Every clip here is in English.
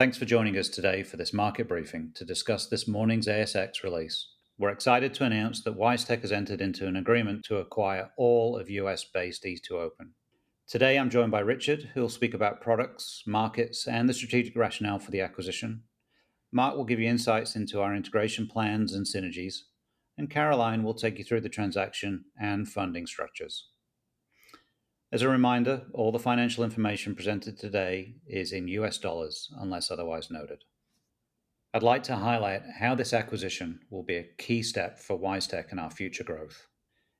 Thanks for joining us today for this market briefing to discuss this morning's ASX release. We're excited to announce that WiseTech has entered into an agreement to acquire all of U.S.-based e2open. Today, I'm joined by Richard, who'll speak about products, markets, and the strategic rationale for the acquisition. Mark will give you insights into our integration plans and synergies, and Caroline will take you through the transaction and funding structures. As a reminder, all the financial information presented today is in U.S. dollars, unless otherwise noted. I'd like to highlight how this acquisition will be a key step for WiseTech and our future growth.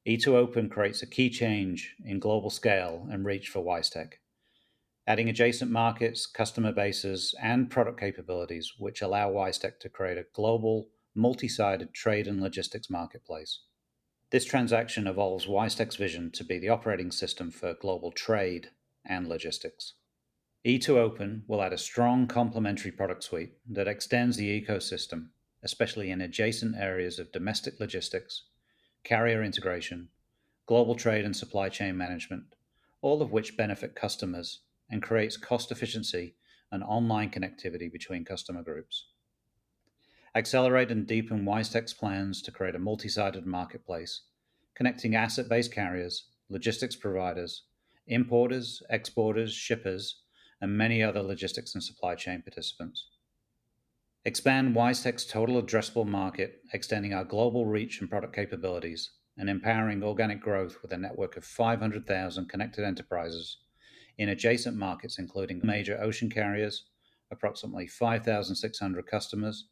e2open creates a key change in global scale and reach for WiseTech, adding adjacent markets, customer bases, and product capabilities, which allow WiseTech to create a global, multi-sided trade and logistics marketplace. This transaction evolves WiseTech's vision to be the operating system for global trade and logistics. e2open will add a strong complementary product suite that extends the ecosystem, especially in adjacent areas of domestic logistics, carrier integration, global trade, and supply chain management, all of which benefit customers and create cost efficiency and online connectivity between customer groups. Accelerate and deepen WiseTech's plans to create a multi-sided marketplace, connecting asset-based carriers, logistics providers, importers, exporters, shippers, and many other logistics and supply chain participants. Expand WiseTech's total addressable market, extending our global reach and product capabilities, and empowering organic growth with a network of 500,000 connected enterprises in adjacent markets, including major ocean carriers, approximately 5,600 customers,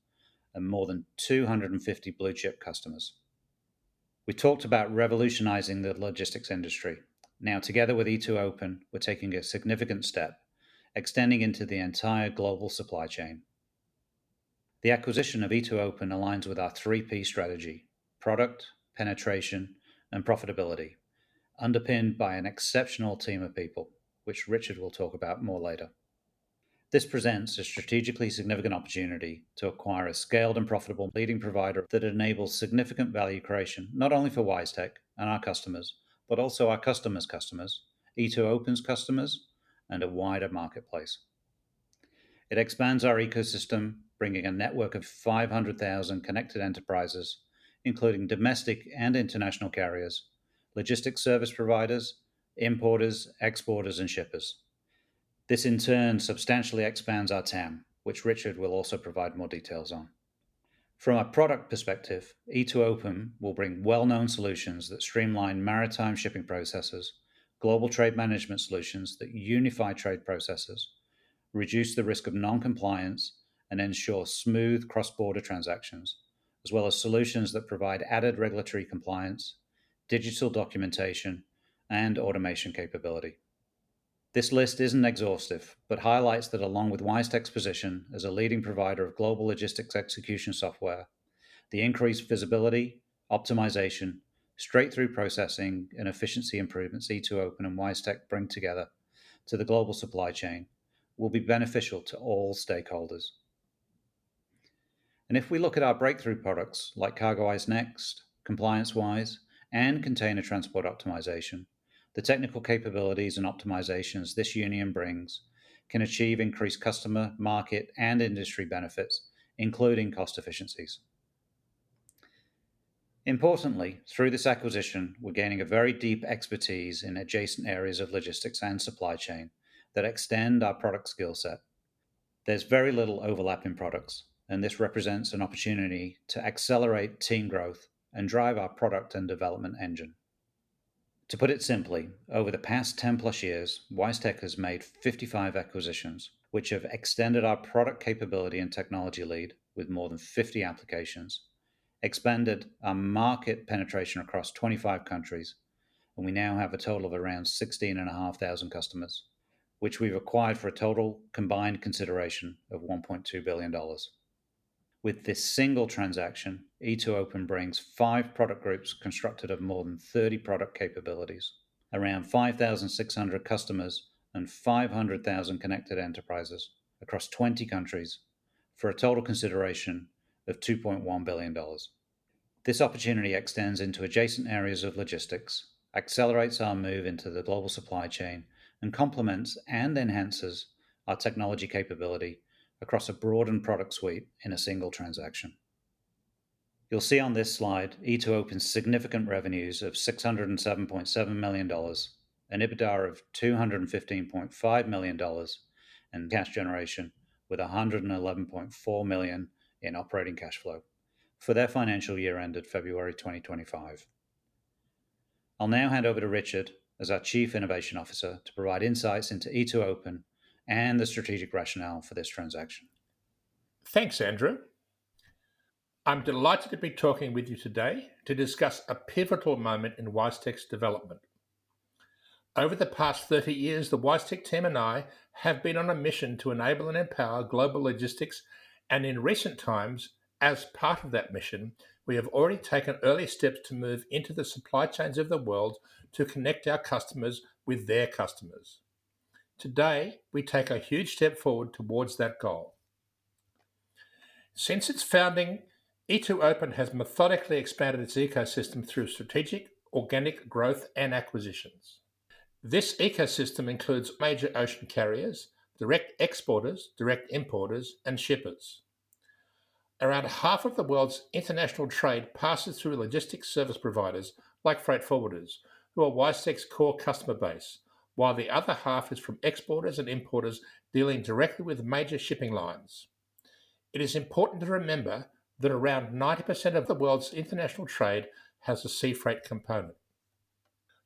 and more than 250 blue-chip customers. We talked about revolutionizing the logistics industry. Now, together with e2open, we're taking a significant step, extending into the entire global supply chain. The acquisition of e2open aligns with our Three P Strategy: product, penetration, and profitability, underpinned by an exceptional team of people, which Richard will talk about more later. This presents a strategically significant opportunity to acquire a scaled and profitable leading provider that enables significant value creation, not only for WiseTech and our customers, but also our customers' customers, e2open's customers, and a wider marketplace. It expands our ecosystem, bringing a network of 500,000 connected enterprises, including domestic and international carriers, logistics service providers, importers, exporters, and shippers. This, in turn, substantially expands our TAM, which Richard will also provide more details on. From a product perspective, e2open will bring well-known solutions that streamline maritime shipping processes, global trade management solutions that unify trade processes, reduce the risk of non-compliance, and ensure smooth cross-border transactions, as well as solutions that provide added regulatory compliance, digital documentation, and automation capability. This list isn't exhaustive, but highlights that along with WiseTech's position as a leading provider of global logistics execution software, the increased visibility, optimization, straight-through processing, and efficiency improvements e2open and WiseTech bring together to the global supply chain will be beneficial to all stakeholders. If we look at our breakthrough products like CargoWise Next, ComplianceWise, and Container Transport Optimization, the technical capabilities and optimizations this union brings can achieve increased customer, market, and industry benefits, including cost efficiencies. Importantly, through this acquisition, we're gaining a very deep expertise in adjacent areas of logistics and supply chain that extend our product skill set. There's very little overlap in products, and this represents an opportunity to accelerate team growth and drive our product and development engine. To put it simply, over the past 10-plus years, WiseTech has made 55 acquisitions, which have extended our product capability and technology lead with more than 50 applications, expanded our market penetration across 25 countries, and we now have a total of around 16,500 customers, which we've acquired for a total combined consideration of $1.2 billion. With this single transaction, e2open brings five product groups constructed of more than 30 product capabilities, around 5,600 customers, and 500,000 connected enterprises across 20 countries for a total consideration of $2.1 billion. This opportunity extends into adjacent areas of logistics, accelerates our move into the global supply chain, and complements and enhances our technology capability across a broadened product suite in a single transaction. You'll see on this slide e2open's significant revenues of $607.7 million, an EBITDA of $215.5 million, and cash generation with $111.4 million in operating cash flow for their financial year ended February 2025. I'll now hand over to Richard as our Chief Innovation Officer to provide insights into e2open and the strategic rationale for this transaction. Thanks, Andrew. I'm delighted to be talking with you today to discuss a pivotal moment in WiseTech's development. Over the past 30 years, the WiseTech team and I have been on a mission to enable and empower global logistics, and in recent times, as part of that mission, we have already taken early steps to move into the supply chains of the world to connect our customers with their customers. Today, we take a huge step forward towards that goal. Since its founding, e2open has methodically expanded its ecosystem through strategic organic growth and acquisitions. This ecosystem includes major ocean carriers, direct exporters, direct importers, and shippers. Around half of the world's international trade passes through logistics service providers like freight forwarders, who are WiseTech's core customer base, while the other half is from exporters and importers dealing directly with major shipping lines. It is important to remember that around 90% of the world's international trade has a sea freight component.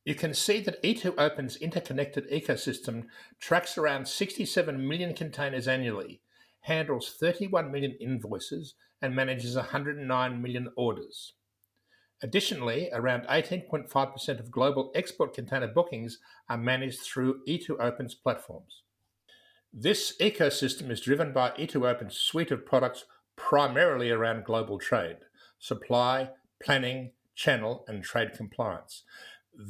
You can see that e2open's interconnected ecosystem tracks around 67 million containers annually, handles 31 million invoices, and manages 109 million orders. Additionally, around 18.5% of global export container bookings are managed through e2open's platforms. This ecosystem is driven by e2open's suite of products primarily around global trade, supply, planning, channel, and trade compliance.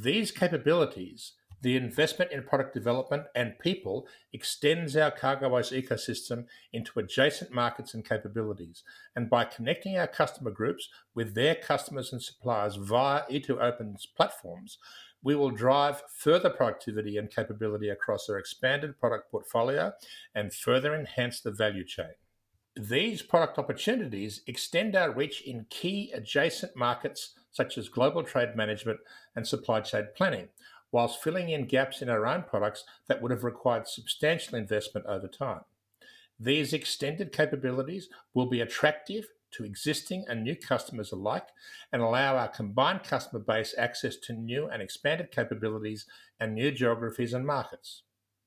These capabilities, the investment in product development and people, extend our CargoWise ecosystem into adjacent markets and capabilities. By connecting our customer groups with their customers and suppliers via e2open's platforms, we will drive further productivity and capability across our expanded product portfolio and further enhance the value chain. These product opportunities extend our reach in key adjacent markets such as global trade management and supply chain planning, whilst filling in gaps in our own products that would have required substantial investment over time. These extended capabilities will be attractive to existing and new customers alike and allow our combined customer base access to new and expanded capabilities and new geographies and markets.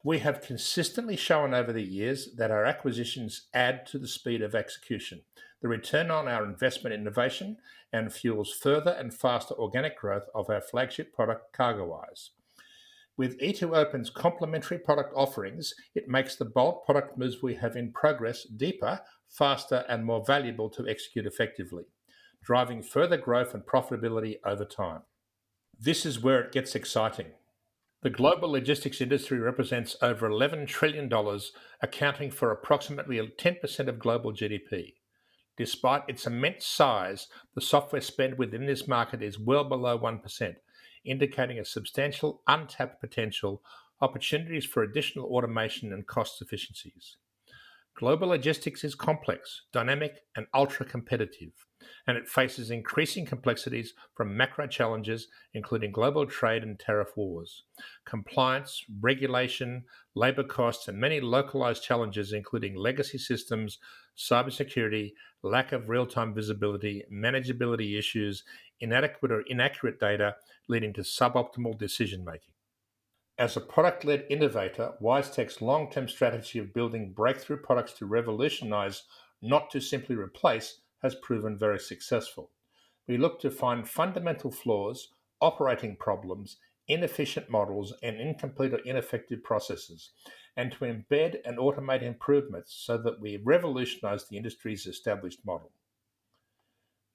We have consistently shown over the years that our acquisitions add to the speed of execution, the return on our investment innovation, and fuels further and faster organic growth of our flagship product, CargoWise. With e2open's complementary product offerings, it makes the bold product moves we have in progress deeper, faster, and more valuable to execute effectively, driving further growth and profitability over time. This is where it gets exciting. The global logistics industry represents over $11 trillion, accounting for approximately 10% of global GDP. Despite its immense size, the software spend within this market is well below 1%, indicating a substantial untapped potential, opportunities for additional automation, and cost efficiencies. Global logistics is complex, dynamic, and ultra-competitive, and it faces increasing complexities from macro challenges, including global trade and tariff wars, compliance, regulation, labor costs, and many localized challenges, including legacy systems, cybersecurity, lack of real-time visibility, manageability issues, inadequate or inaccurate data leading to suboptimal decision-making. As a product-led innovator, WiseTech's long-term strategy of building breakthrough products to revolutionize, not to simply replace, has proven very successful. We look to find fundamental flaws, operating problems, inefficient models, and incomplete or ineffective processes, and to embed and automate improvements so that we revolutionize the industry's established model.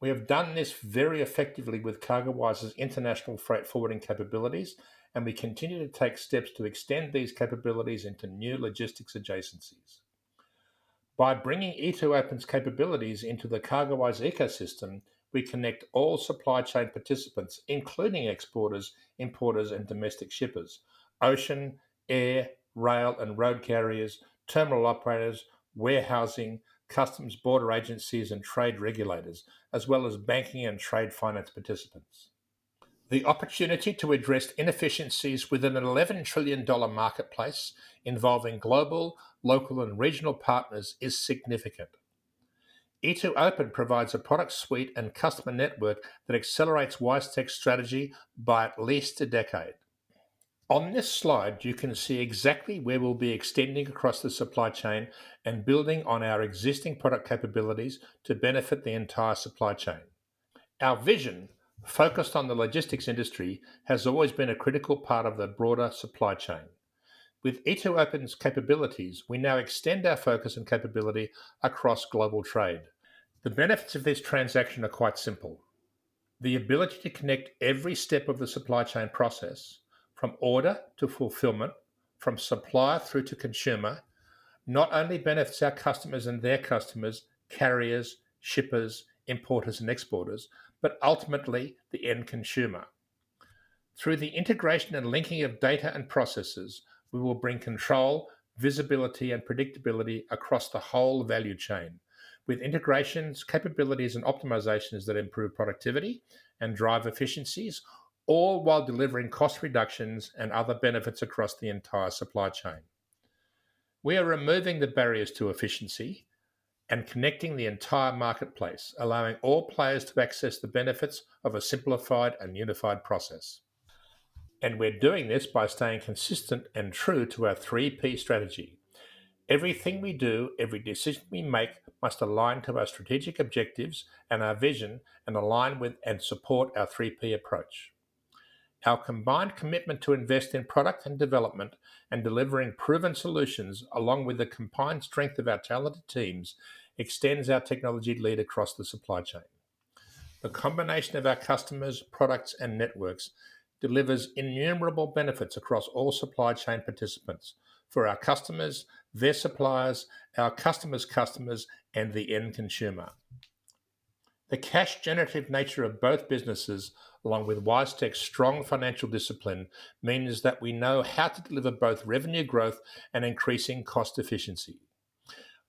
We have done this very effectively with CargoWise's international freight forwarding capabilities, and we continue to take steps to extend these capabilities into new logistics adjacencies. By bringing e2open's capabilities into the CargoWise ecosystem, we connect all supply chain participants, including exporters, importers, and domestic shippers, ocean, air, rail, and road carriers, terminal operators, warehousing, customs, border agencies, and trade regulators, as well as banking and trade finance participants. The opportunity to address inefficiencies within an $11 trillion marketplace involving global, local, and regional partners is significant. e2open provides a product suite and customer network that accelerates WiseTech's strategy by at least a decade. On this slide, you can see exactly where we will be extending across the supply chain and building on our existing product capabilities to benefit the entire supply chain. Our vision, focused on the logistics industry, has always been a critical part of the broader supply chain. With e2open's capabilities, we now extend our focus and capability across global trade. The benefits of this transaction are quite simple. The ability to connect every step of the supply chain process, from order to fulfillment, from supplier through to consumer, not only benefits our customers and their customers, carriers, shippers, importers, and exporters, but ultimately the end consumer. Through the integration and linking of data and processes, we will bring control, visibility, and predictability across the whole value chain, with integrations, capabilities, and optimizations that improve productivity and drive efficiencies, all while delivering cost reductions and other benefits across the entire supply chain. We are removing the barriers to efficiency and connecting the entire marketplace, allowing all players to access the benefits of a simplified and unified process. We are doing this by staying consistent and true to our Three P Strategy. Everything we do, every decision we make, must align to our strategic objectives and our vision and align with and support our three P approach. Our combined commitment to invest in product and development and delivering proven solutions, along with the combined strength of our talented teams, extends our technology lead across the supply chain. The combination of our customers, products, and networks delivers innumerable benefits across all supply chain participants for our customers, their suppliers, our customers' customers, and the end consumer. The cash-generative nature of both businesses, along with WiseTech's strong financial discipline, means that we know how to deliver both revenue growth and increasing cost efficiency.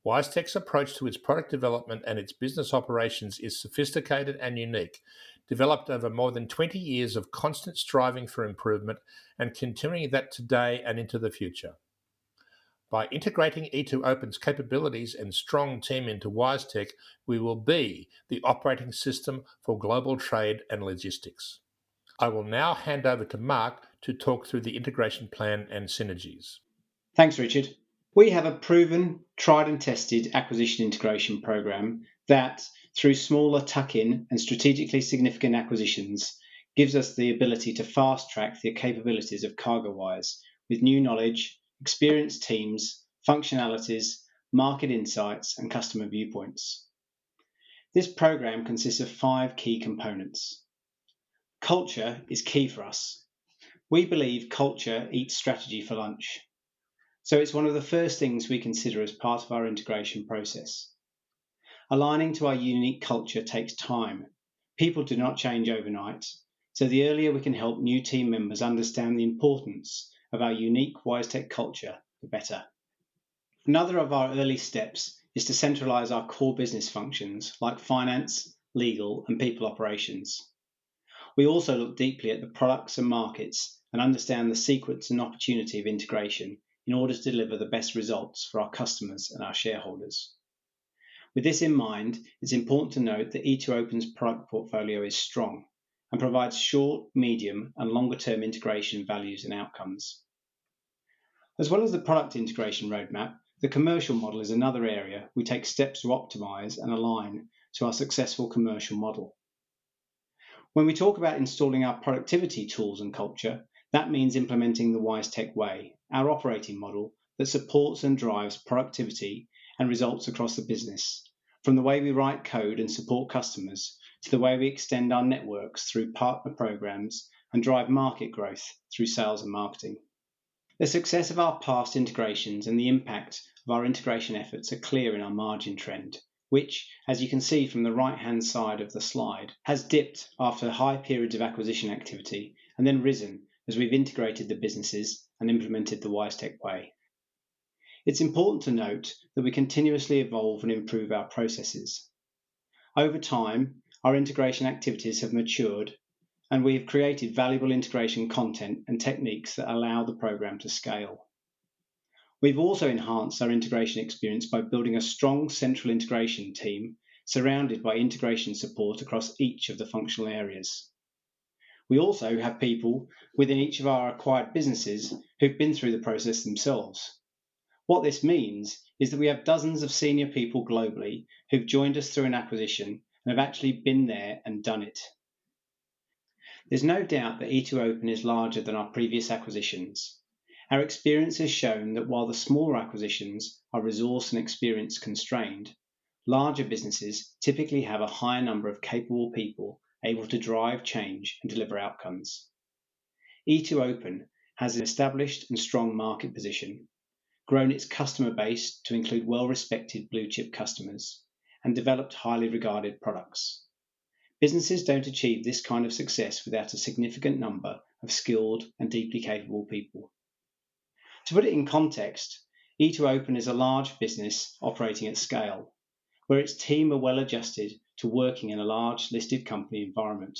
WiseTech's approach to its product development and its business operations is sophisticated and unique, developed over more than 20 years of constant striving for improvement and continuing that today and into the future. By integrating e2open's capabilities and strong team into WiseTech, we will be the operating system for global trade and logistics. I will now hand over to Mark to talk through the integration plan and synergies. Thanks, Richard. We have a proven, tried, and tested acquisition integration program that, through smaller tuck-in and strategically significant acquisitions, gives us the ability to fast-track the capabilities of CargoWise with new knowledge, experienced teams, functionalities, market insights, and customer viewpoints. This program consists of five key components. Culture is key for us. We believe culture eats strategy for lunch, so it's one of the first things we consider as part of our integration process. Aligning to our unique culture takes time. People do not change overnight, so the earlier we can help new team members understand the importance of our unique WiseTech culture, the better. Another of our early steps is to centralize our core business functions like finance, legal, and people operations. We also look deeply at the products and markets and understand the secrets and opportunity of integration in order to deliver the best results for our customers and our shareholders. With this in mind, it's important to note that e2open's product portfolio is strong and provides short, medium, and longer-term integration values and outcomes. As well as the product integration roadmap, the commercial model is another area we take steps to optimize and align to our successful commercial model. When we talk about installing our productivity tools and culture, that means implementing the WiseTech Way, our operating model that supports and drives productivity and results across the business, from the way we write code and support customers to the way we extend our networks through partner programs and drive market growth through sales and marketing. The success of our past integrations and the impact of our integration efforts are clear in our margin trend, which, as you can see from the right-hand side of the slide, has dipped after a high period of acquisition activity and then risen as we've integrated the businesses and implemented the WiseTech Way. It's important to note that we continuously evolve and improve our processes. Over time, our integration activities have matured, and we have created valuable integration content and techniques that allow the program to scale. We've also enhanced our integration experience by building a strong central integration team surrounded by integration support across each of the functional areas. We also have people within each of our acquired businesses who've been through the process themselves. What this means is that we have dozens of senior people globally who've joined us through an acquisition and have actually been there and done it. There's no doubt that e2open is larger than our previous acquisitions. Our experience has shown that while the smaller acquisitions are resource and experience constrained, larger businesses typically have a higher number of capable people able to drive change and deliver outcomes. e2open has an established and strong market position, grown its customer base to include well-respected blue-chip customers, and developed highly regarded products. Businesses don't achieve this kind of success without a significant number of skilled and deeply capable people. To put it in context, e2open is a large business operating at scale, where its team are well-adjusted to working in a large listed company environment.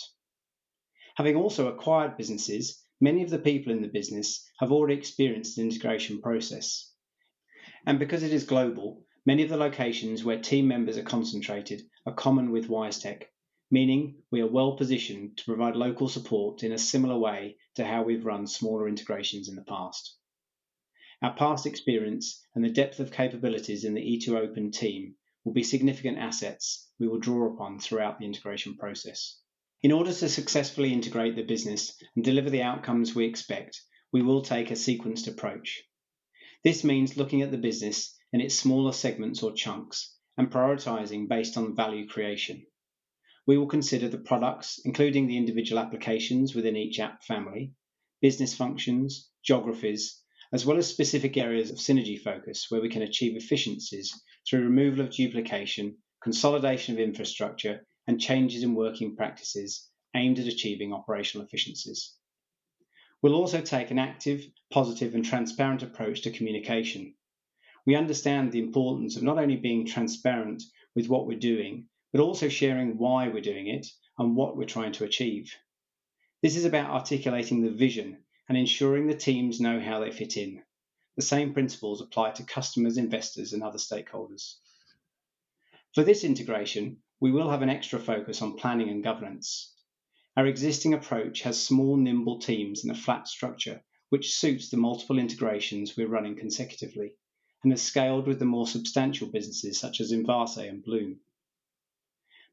Having also acquired businesses, many of the people in the business have already experienced the integration process. Because it is global, many of the locations where team members are concentrated are common with WiseTech, meaning we are well-positioned to provide local support in a similar way to how we've run smaller integrations in the past. Our past experience and the depth of capabilities in the e2open team will be significant assets we will draw upon throughout the integration process. In order to successfully integrate the business and deliver the outcomes we expect, we will take a sequenced approach. This means looking at the business and its smaller segments or chunks and prioritizing based on value creation. We will consider the products, including the individual applications within each app family, business functions, geographies, as well as specific areas of synergy focus where we can achieve efficiencies through removal of duplication, consolidation of infrastructure, and changes in working practices aimed at achieving operational efficiencies. We'll also take an active, positive, and transparent approach to communication. We understand the importance of not only being transparent with what we're doing, but also sharing why we're doing it and what we're trying to achieve. This is about articulating the vision and ensuring the teams know how they fit in. The same principles apply to customers, investors, and other stakeholders. For this integration, we will have an extra focus on planning and governance. Our existing approach has small, nimble teams and a flat structure, which suits the multiple integrations we're running consecutively and is scaled with the more substantial businesses such as Invarsay and Bloom.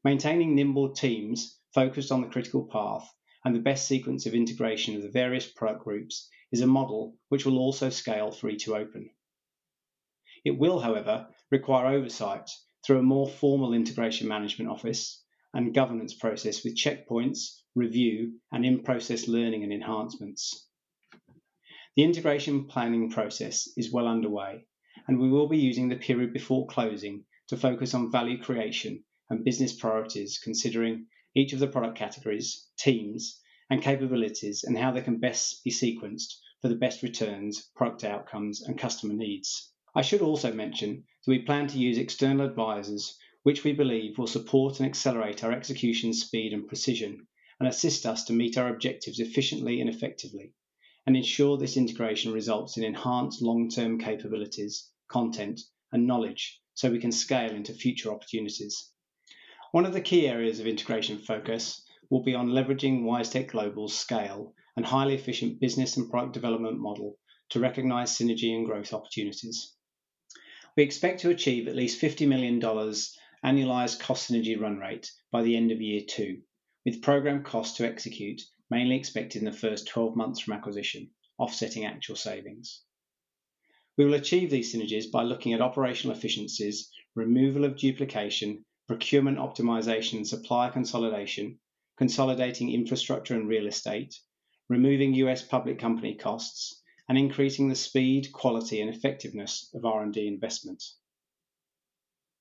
Maintaining nimble teams focused on the critical path and the best sequence of integration of the various product groups is a model which will also scale for e2open. It will, however, require oversight through a more formal integration management office and governance process with checkpoints, review, and in-process learning and enhancements. The integration planning process is well underway, and we will be using the period before closing to focus on value creation and business priorities, considering each of the product categories, teams, and capabilities, and how they can best be sequenced for the best returns, product outcomes, and customer needs. I should also mention that we plan to use external advisors, which we believe will support and accelerate our execution speed and precision, and assist us to meet our objectives efficiently and effectively, and ensure this integration results in enhanced long-term capabilities, content, and knowledge so we can scale into future opportunities. One of the key areas of integration focus will be on leveraging WiseTech Global scale and highly efficient business and product development model to recognize synergy and growth opportunities. We expect to achieve at least $50 million annualized cost synergy run rate by the end of year two, with program costs to execute mainly expected in the first 12 months from acquisition, offsetting actual savings. We will achieve these synergies by looking at operational efficiencies, removal of duplication, procurement optimization, and supplier consolidation, consolidating infrastructure and real estate, removing U.S. public company costs, and increasing the speed, quality, and effectiveness of R&D investment.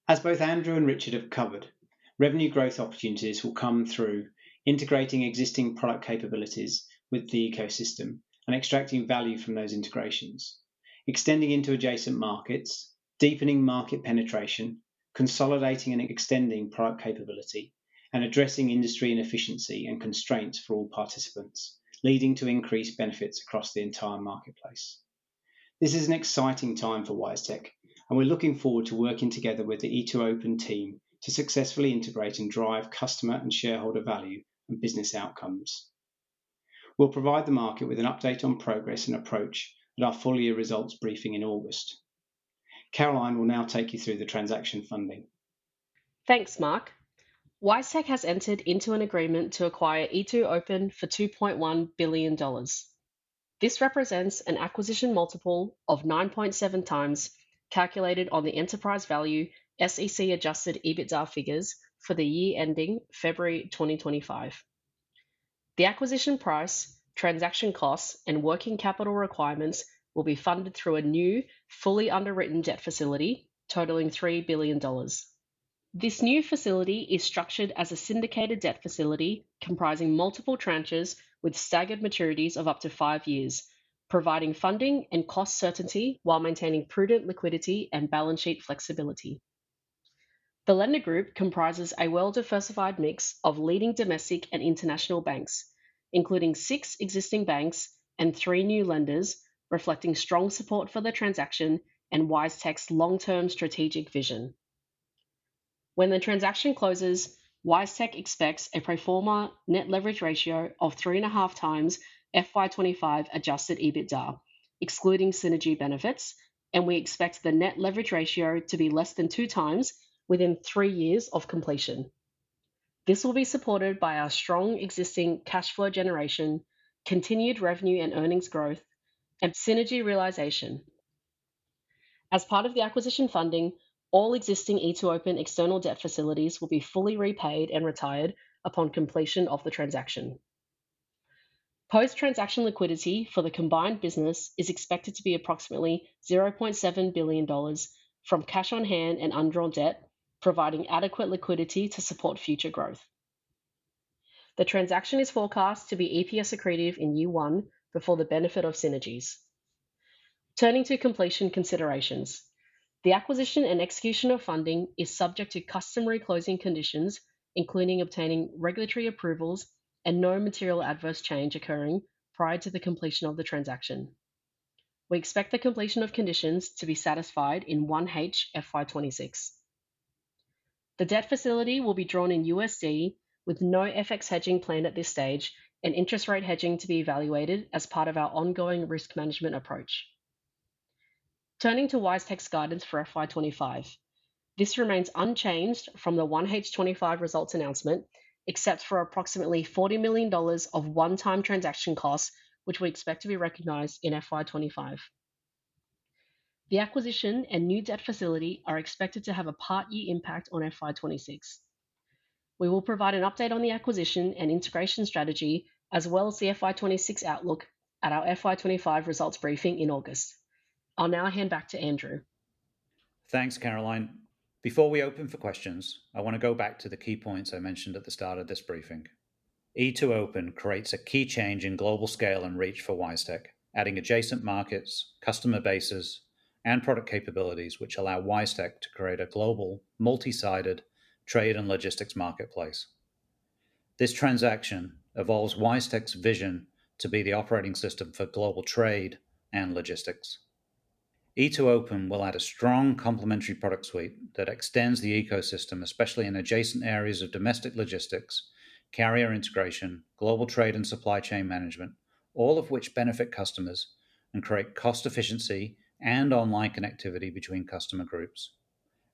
As both Andrew and Richard have covered, revenue growth opportunities will come through integrating existing product capabilities with the ecosystem and extracting value from those integrations, extending into adjacent markets, deepening market penetration, consolidating and extending product capability, and addressing industry inefficiency and constraints for all participants, leading to increased benefits across the entire marketplace. This is an exciting time for WiseTech, and we're looking forward to working together with the e2open team to successfully integrate and drive customer and shareholder value and business outcomes. We'll provide the market with an update on progress and approach at our full-year results briefing in August. Caroline will now take you through the transaction funding. Thanks, Mark. WiseTech has entered into an agreement to acquire e2open for $2.1 billion. This represents an acquisition multiple of 9.7 times calculated on the enterprise value SEC Adjusted EBITDA figures for the year ending February 2025. The acquisition price, transaction costs, and working capital requirements will be funded through a new, fully underwritten debt facility totaling $3 billion. This new facility is structured as a syndicated debt facility comprising multiple tranches with staggered maturities of up to five years, providing funding and cost certainty while maintaining prudent liquidity and balance sheet flexibility. The lender group comprises a well-diversified mix of leading domestic and international banks, including six existing banks and three new lenders, reflecting strong support for the transaction and WiseTech's long-term strategic vision. When the transaction closes, WiseTech expects a pro forma net leverage ratio of 3.5 times FY2025 adjusted EBITDA, excluding synergy benefits, and we expect the net leverage ratio to be less than two times within three years of completion. This will be supported by our strong existing cash flow generation, continued revenue and earnings growth, and synergy realization. As part of the acquisition funding, all existing e2open external debt facilities will be fully repaid and retired upon completion of the transaction. Post-transaction liquidity for the combined business is expected to be approximately $0.7 billion from cash on hand and undrawn debt, providing adequate liquidity to support future growth. The transaction is forecast to be EPS accretive in year one before the benefit of synergies. Turning to completion considerations, the acquisition and execution of funding is subject to customary closing conditions, including obtaining regulatory approvals and no material adverse change occurring prior to the completion of the transaction. We expect the completion of conditions to be satisfied in one 1H FY2026. The debt facility will be drawn in USD with no FX hedging planned at this stage and interest rate hedging to be evaluated as part of our ongoing risk management approach. Turning to WiseTech's guidance for FY2025, this remains unchanged from the 1H FY2025 results announcement, except for approximately $40 million of one-time transaction costs, which we expect to be recognized in FY2025. The acquisition and new debt facility are expected to have a partial impact on FY2026. We will provide an update on the acquisition and integration strategy, as well as the FY2026 outlook at our FY2025 results briefing in August. I'll now hand back to Andrew. Thanks, Caroline. Before we open for questions, I want to go back to the key points I mentioned at the start of this briefing. e2open creates a key change in global scale and reach for WiseTech, adding adjacent markets, customer bases, and product capabilities which allow WiseTech to create a global, multi-sided trade and logistics marketplace. This transaction evolves WiseTech's vision to be the operating system for global trade and logistics. e2open will add a strong complementary product suite that extends the ecosystem, especially in adjacent areas of domestic logistics, carrier integration, global trade, and supply chain management, all of which benefit customers and create cost efficiency and online connectivity between customer groups.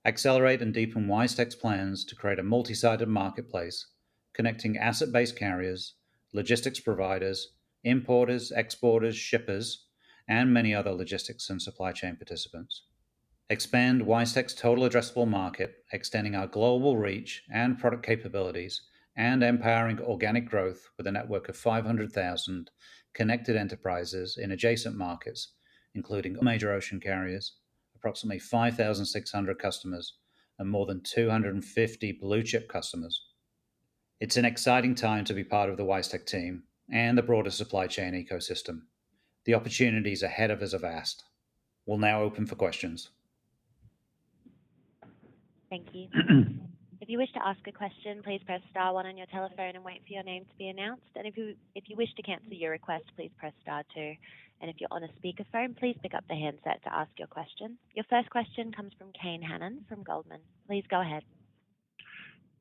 Accelerate and deepen WiseTech's plans to create a multi-sided marketplace connecting asset-based carriers, logistics providers, importers, exporters, shippers, and many other logistics and supply chain participants. Expand WiseTech's total addressable market, extending our global reach and product capabilities and empowering organic growth with a network of 500,000 connected enterprises in adjacent markets, including major ocean carriers, approximately 5,600 customers, and more than 250 blue-chip customers. It's an exciting time to be part of the WiseTech team and the broader supply chain ecosystem. The opportunities ahead of us are vast. We'll now open for questions. Thank you. If you wish to ask a question, please press star one on your telephone and wait for your name to be announced. If you wish to cancel your request, please press star two. If you're on a speakerphone, please pick up the handset to ask your question. Your first question comes from Kane Hannan from Goldman. Please go ahead.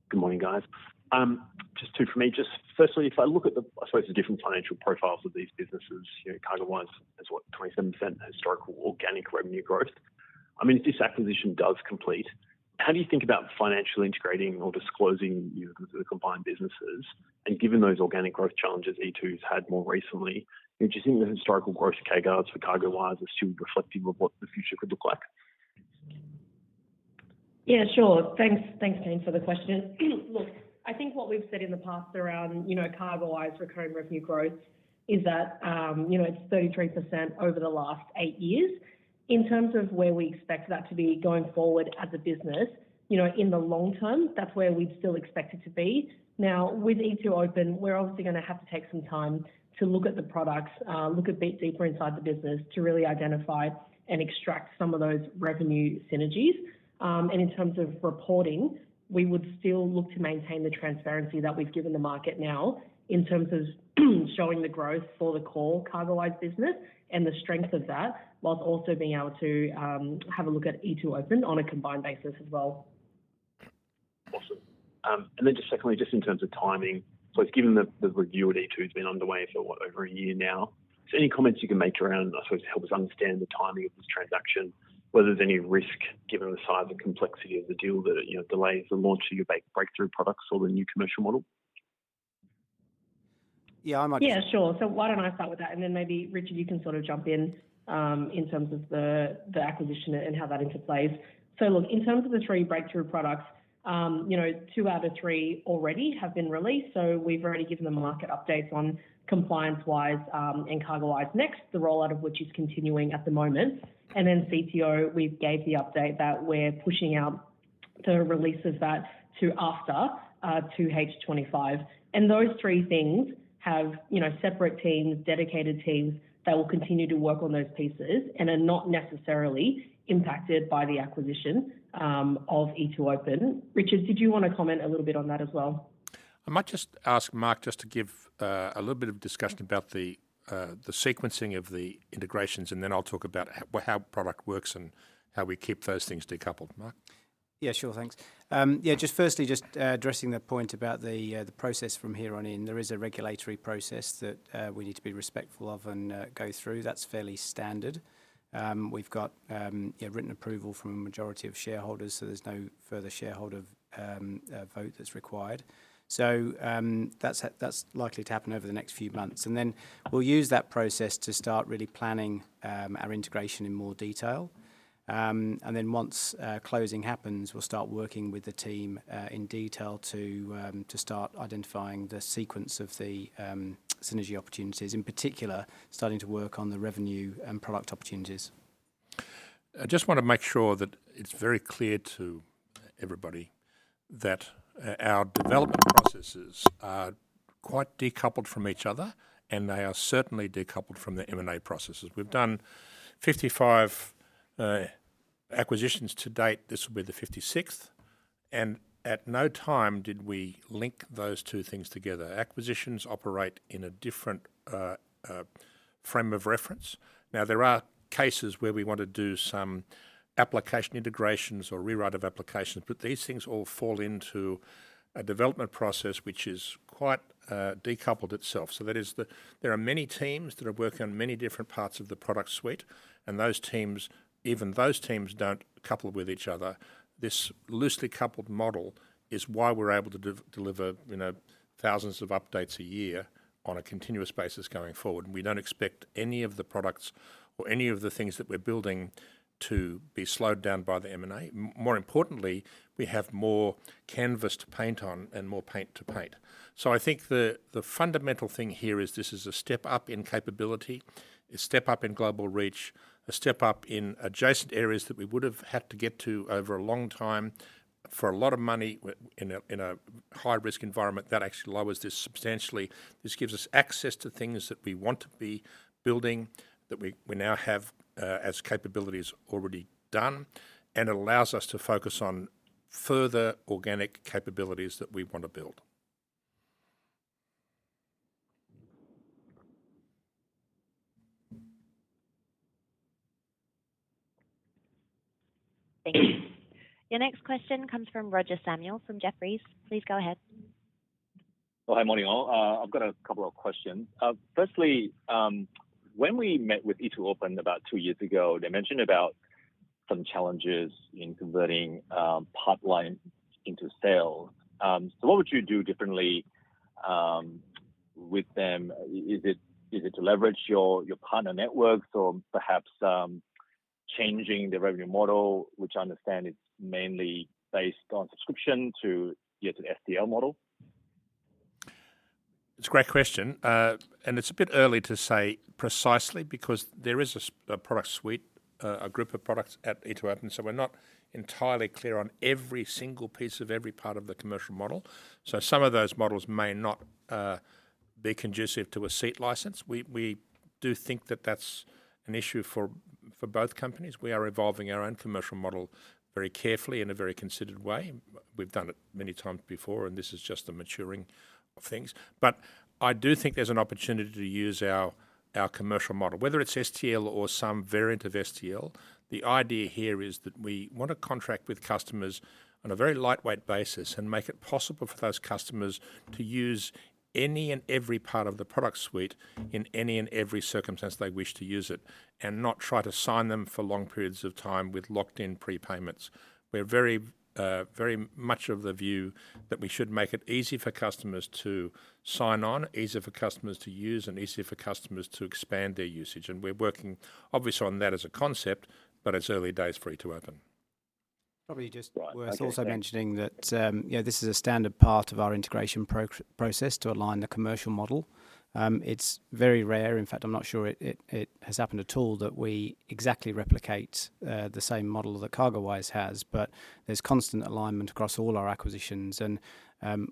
Good morning, guys. Just two for me. Just firstly, if I look at the, I suppose, the different financial profiles of these businesses, CargoWise has what, 27% historical organic revenue growth. I mean, if this acquisition does complete, how do you think about financially integrating or disclosing the combined businesses? And given those organic growth challenges E2's had more recently, do you think the historical growth of CargoWise is still reflective of what the future could look like? Yeah, sure. Thanks, thanks, Kane, for the question. Look, I think what we've said in the past around CargoWise recurring revenue growth is that it's 33% over the last eight years. In terms of where we expect that to be going forward as a business, in the long term, that's where we'd still expect it to be. Now, with e2open, we're obviously going to have to take some time to look at the products, look a bit deeper inside the business to really identify and extract some of those revenue synergies. In terms of reporting, we would still look to maintain the transparency that we've given the market now in terms of showing the growth for the core CargoWise business and the strength of that, whilst also being able to have a look at e2open on a combined basis as well. Awesome. Just secondly, just in terms of timing, it's given that the review at e2open has been underway for, what, over a year now. Any comments you can make around, I suppose, help us understand the timing of this transaction, whether there's any risk given the size and complexity of the deal that delays the launch of your breakthrough products or the new commercial model? I might just. Yeah, sure. Why don't I start with that? Then maybe Richard, you can sort of jump in in terms of the acquisition and how that interplays. Look, in terms of the three breakthrough products, two out of three already have been released. We've already given the market updates on ComplianceWise and CargoWise Next, the rollout of which is continuing at the moment. CTO, we gave the update that we're pushing out the release of that to after 2H2025. Those three things have separate teams, dedicated teams that will continue to work on those pieces and are not necessarily impacted by the acquisition of e2open. Richard, did you want to comment a little bit on that as well? I might just ask Mark just to give a little bit of discussion about the sequencing of the integrations, and then I'll talk about how product works and how we keep those things decoupled. Mark? Yeah, sure. Thanks. Yeah, just firstly, just addressing the point about the process from here on in. There is a regulatory process that we need to be respectful of and go through. That is fairly standard. We have got written approval from a majority of shareholders, so there is no further shareholder vote that is required. That is likely to happen over the next few months. We will use that process to start really planning our integration in more detail. Once closing happens, we will start working with the team in detail to start identifying the sequence of the synergy opportunities, in particular, starting to work on the revenue and product opportunities. I just want to make sure that it's very clear to everybody that our development processes are quite decoupled from each other, and they are certainly decoupled from the M&A processes. We've done 55 acquisitions to date. This will be the 56th. At no time did we link those two things together. Acquisitions operate in a different frame of reference. There are cases where we want to do some application integrations or rewrite of applications, but these things all fall into a development process which is quite decoupled itself. That is, there are many teams that are working on many different parts of the product suite, and those teams, even those teams don't couple with each other. This loosely coupled model is why we're able to deliver thousands of updates a year on a continuous basis going forward. We do not expect any of the products or any of the things that we are building to be slowed down by the M&A. More importantly, we have more canvas to paint on and more paint to paint. I think the fundamental thing here is this is a step up in capability, a step up in global reach, a step up in adjacent areas that we would have had to get to over a long time for a lot of money in a high-risk environment. That actually lowers this substantially. This gives us access to things that we want to be building, that we now have as capabilities already done, and allows us to focus on further organic capabilities that we want to build. Thank you. Your next question comes from Roger Samuel from Jefferies. Please go ahead. Hi, morning all. I've got a couple of questions. Firstly, when we met with e2open about two years ago, they mentioned about some challenges in converting pipeline into sales. What would you do differently with them? Is it to leverage your partner networks or perhaps changing the revenue model, which I understand is mainly based on subscription to the STL model? It's a great question. It's a bit early to say precisely because there is a product suite, a group of products at e2open, so we're not entirely clear on every single piece of every part of the commercial model. Some of those models may not be conducive to a seat license. We do think that that's an issue for both companies. We are evolving our own commercial model very carefully in a very considered way. We've done it many times before, and this is just the maturing of things. I do think there's an opportunity to use our commercial model, whether it's STL or some variant of STL. The idea here is that we want to contract with customers on a very lightweight basis and make it possible for those customers to use any and every part of the product suite in any and every circumstance they wish to use it and not try to sign them for long periods of time with locked-in prepayments. We are very much of the view that we should make it easy for customers to sign on, easy for customers to use, and easy for customers to expand their usage. We are working obviously on that as a concept, but it is early days for e2open. Probably just worth also mentioning that this is a standard part of our integration process to align the commercial model. It's very rare. In fact, I'm not sure it has happened at all that we exactly replicate the same model that CargoWise has, but there's constant alignment across all our acquisitions.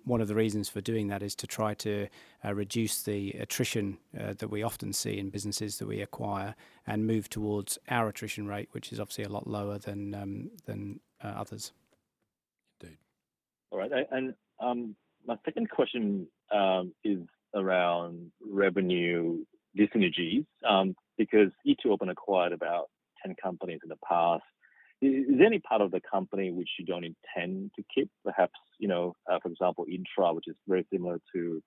One of the reasons for doing that is to try to reduce the attrition that we often see in businesses that we acquire and move towards our attrition rate, which is obviously a lot lower than others. Indeed. All right. My second question is around revenue synergies because e2open acquired about 10 companies in the past. Is there any part of the company which you do not intend to keep? Perhaps, for example, InTra, which is very similar to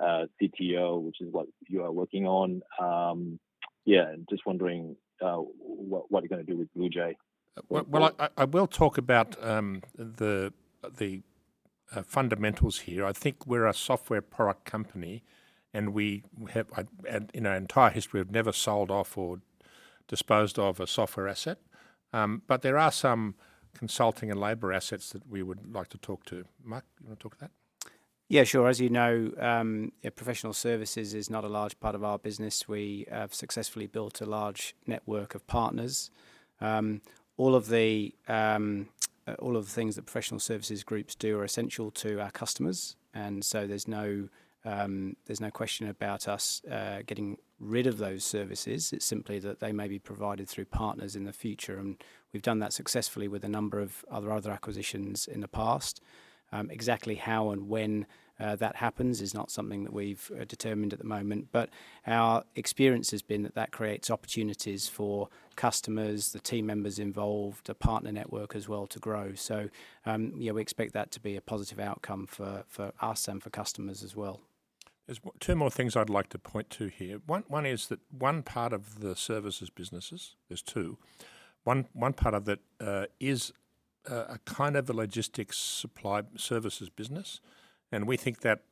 CTO, which is what you are working on. Yeah, just wondering what you are going to do with BluJay. I will talk about the fundamentals here. I think we're a software product company, and in our entire history, we've never sold off or disposed of a software asset. There are some consulting and labor assets that we would like to talk to. Mark, you want to talk to that? Yeah, sure. As you know, professional services is not a large part of our business. We have successfully built a large network of partners. All of the things that professional services groups do are essential to our customers. There is no question about us getting rid of those services. It's simply that they may be provided through partners in the future. We have done that successfully with a number of other acquisitions in the past. Exactly how and when that happens is not something that we have determined at the moment. Our experience has been that that creates opportunities for customers, the team members involved, the partner network as well to grow. We expect that to be a positive outcome for us and for customers as well. Two more things I'd like to point to here. One is that one part of the services businesses, there's two. One part of that is a kind of a logistics supply services business. We think that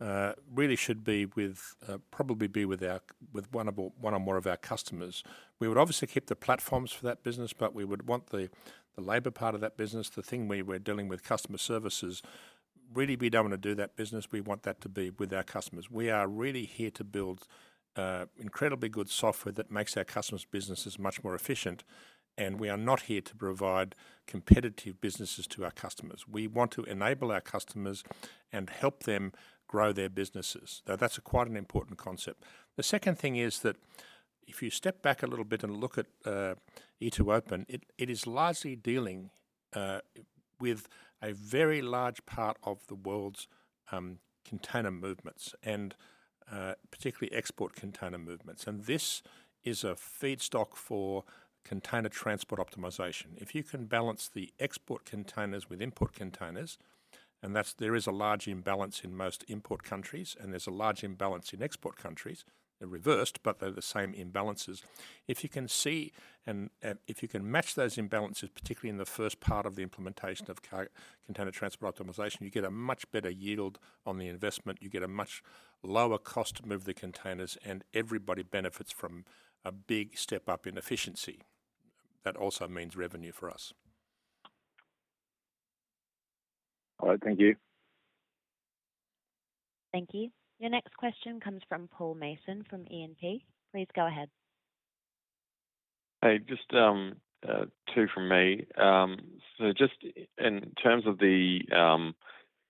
really should probably be with one or more of our customers. We would obviously keep the platforms for that business, but we would want the labor part of that business, the thing where we're dealing with customer services, really be done when to do that business. We want that to be with our customers. We are really here to build incredibly good software that makes our customers' businesses much more efficient. We are not here to provide competitive businesses to our customers. We want to enable our customers and help them grow their businesses. Now, that's quite an important concept. The second thing is that if you step back a little bit and look at e2open, it is largely dealing with a very large part of the world's container movements, and particularly export container movements. This is a feedstock for Container Transport Optimization. If you can balance the export containers with input containers, and there is a large imbalance in most import countries, and there's a large imbalance in export countries. They're reversed, but they're the same imbalances. If you can see, and if you can match those imbalances, particularly in the first part of the implementation of Container Transport Optimization, you get a much better yield on the investment. You get a much lower cost to move the containers, and everybody benefits from a big step up in efficiency. That also means revenue for us. All right. Thank you. Thank you. Your next question comes from Paul Mason from E&P. Please go ahead. Hey, just two from me. Just in terms of the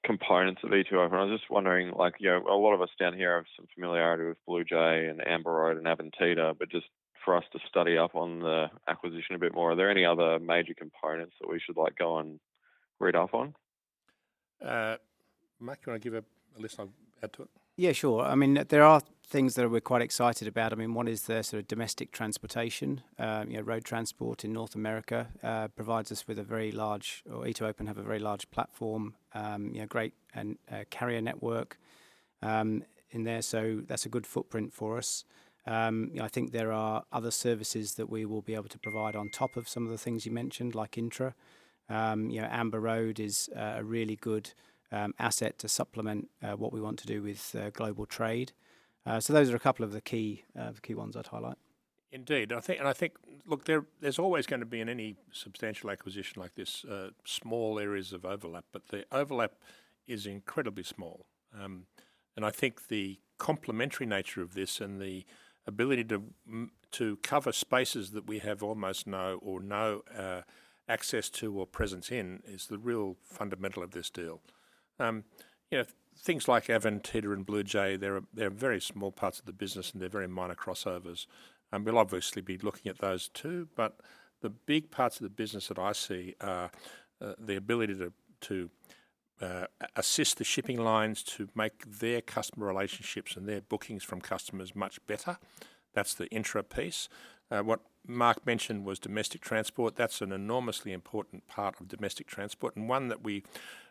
components of e2open, I was just wondering, a lot of us down here have some familiarity with BluJay and Amber Road and Avantida, but just for us to study up on the acquisition a bit more, are there any other major components that we should go and read off on? Mark, do you want to give a list? I'll add to it. Yeah, sure. I mean, there are things that we're quite excited about. I mean, one is the sort of domestic transportation. Road transport in North America provides us with a very large, or e2open have a very large platform, great carrier network in there. That is a good footprint for us. I think there are other services that we will be able to provide on top of some of the things you mentioned, like InTra. Amber Road is a really good asset to supplement what we want to do with global trade. Those are a couple of the key ones I'd highlight. Indeed. I think, look, there's always going to be, in any substantial acquisition like this, small areas of overlap. The overlap is incredibly small. I think the complementary nature of this and the ability to cover spaces that we have almost no or no access to or presence in is the real fundamental of this deal. Things like Avantida and BluJay, they're very small parts of the business, and they're very minor crossovers. We'll obviously be looking at those too. The big parts of the business that I see are the ability to assist the shipping lines to make their customer relationships and their bookings from customers much better. That's the InTra piece. What Mark mentioned was domestic transport. That's an enormously important part of domestic transport and one that we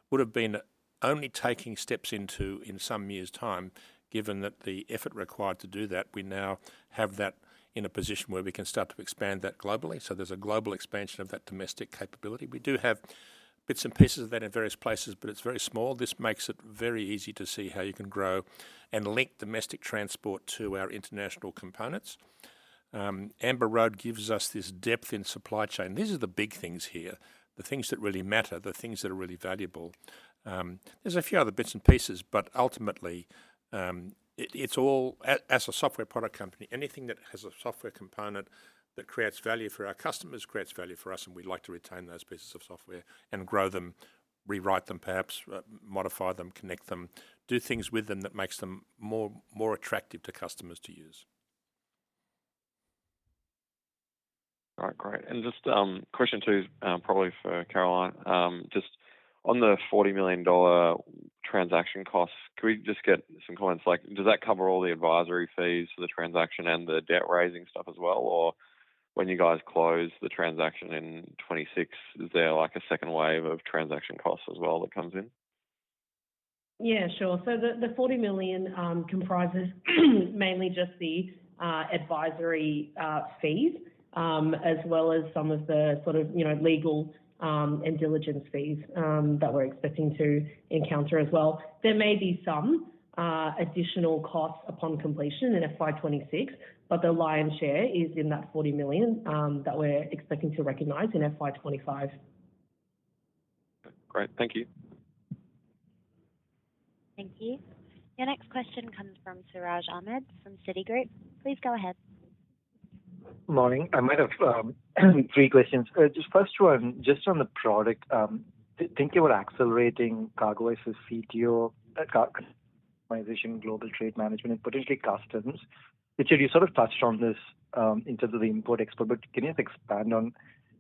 would have been only taking steps into in some years' time, given that the effort required to do that. We now have that in a position where we can start to expand that globally. There is a global expansion of that domestic capability. We do have bits and pieces of that in various places, but it's very small. This makes it very easy to see how you can grow and link domestic transport to our international components. Amber Road gives us this depth in supply chain. These are the big things here, the things that really matter, the things that are really valuable. There's a few other bits and pieces, but ultimately, it's all, as a software product company, anything that has a software component that creates value for our customers creates value for us, and we'd like to retain those pieces of software and grow them, rewrite them, perhaps, modify them, connect them, do things with them that makes them more attractive to customers to use. All right. Great. Just question two, probably for Caroline, just on the $40 million transaction costs, can we just get some comments? Does that cover all the advisory fees for the transaction and the debt raising stuff as well? When you guys close the transaction in 2026, is there a second wave of transaction costs as well that comes in? Yeah, sure. So the 40 million comprises mainly just the advisory fees, as well as some of the sort of legal and diligence fees that we're expecting to encounter as well. There may be some additional costs upon completion in FY2026, but the lion's share is in that 40 million that we're expecting to recognize in FY2025. Great. Thank you. Thank you. Your next question comes from Siraj Ahmed from Citi Group. Please go ahead. Morning. I might have three questions. Just first one, just on the product, thinking about accelerating CargoWise's CTO, global trade management, and potentially customs. Richard, you sort of touched on this in terms of the import-export, but can you expand on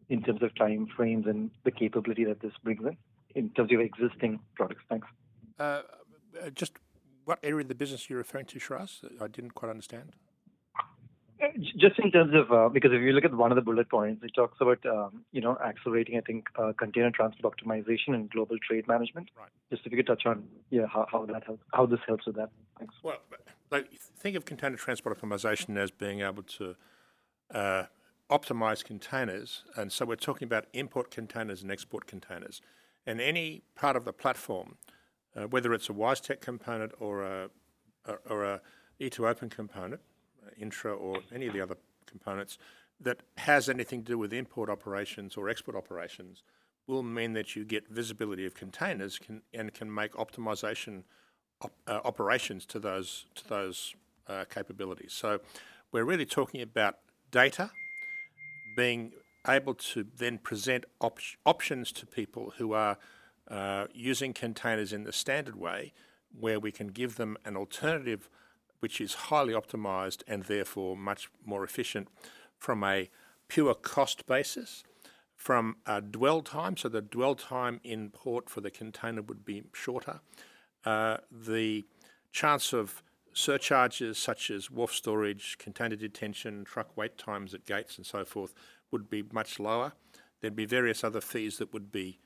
in terms of time frames and the capability that this brings in in terms of existing products? Thanks. Just what area of the business you're referring to, Siraj? I didn't quite understand. Just in terms of, because if you look at one of the bullet points, it talks about accelerating, I think, Container Transport Optimization and global trade management. Just if you could touch on how this helps with that. Think of container transport optimization as being able to optimize containers. We are talking about import containers and export containers. Any part of the platform, whether it is a WiseTech component or an e2open component, InTra, or any of the other components that has anything to do with import operations or export operations, will mean that you get visibility of containers and can make optimization operations to those capabilities. We are really talking about data being able to then present options to people who are using containers in the standard way, where we can give them an alternative which is highly optimized and therefore much more efficient from a pure cost basis, from dwell time. The dwell time in port for the container would be shorter. The chance of surcharges such as wharf storage, container detention, truck wait times at gates, and so forth would be much lower. There would be various other fees that would be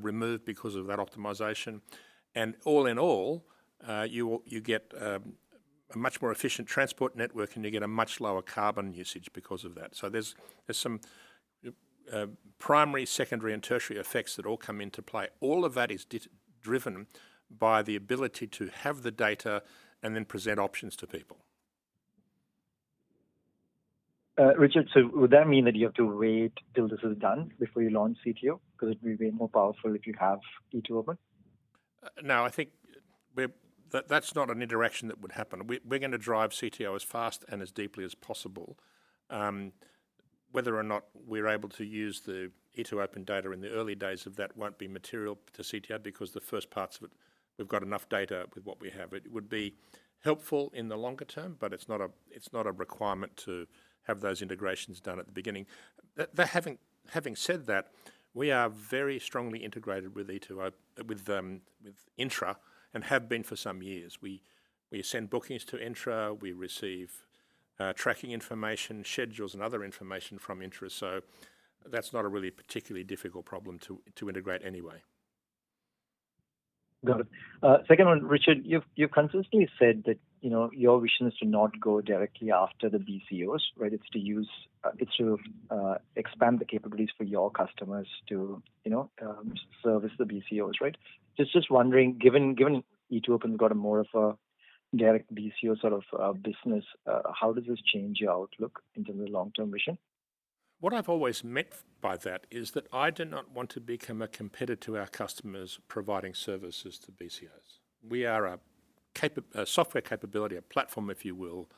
removed because of that optimization. All in all, you get a much more efficient transport network, and you get a much lower carbon usage because of that. There are some primary, secondary, and tertiary effects that all come into play. All of that is driven by the ability to have the data and then present options to people. Richard, so would that mean that you have to wait till this is done before you launch CTO? Because it would be way more powerful if you have e2open? No, I think that's not an interaction that would happen. We're going to drive CTO as fast and as deeply as possible. Whether or not we're able to use the e2open data in the early days of that won't be material to CTO because the first parts of it, we've got enough data with what we have. It would be helpful in the longer term, but it's not a requirement to have those integrations done at the beginning. Having said that, we are very strongly integrated with InTra and have been for some years. We send bookings to InTra. We receive tracking information, schedules, and other information from InTra. That's not a really particularly difficult problem to integrate anyway. Got it. Second one, Richard, you've consistently said that your vision is to not go directly after the BCOs, right? It's to expand the capabilities for your customers to service the BCOs, right? Just wondering, given e2open's got more of a direct BCO sort of business, how does this change your outlook in terms of the long-term vision? What I've always meant by that is that I do not want to become a competitor to our customers providing services to BCOs. We are a software capability, a platform, if you will,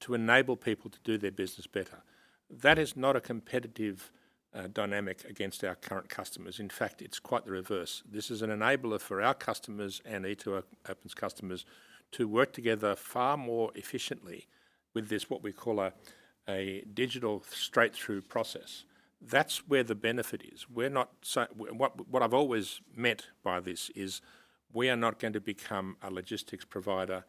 to enable people to do their business better. That is not a competitive dynamic against our current customers. In fact, it's quite the reverse. This is an enabler for our customers and e2open's customers to work together far more efficiently with this, what we call a digital straight-through process. That's where the benefit is. What I've always meant by this is we are not going to become a logistics provider